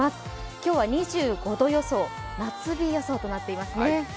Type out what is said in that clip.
今日は２５度予想夏日予想となっていますね。